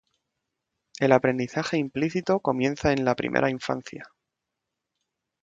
El aprendizaje implícito comienza en la primera infancia.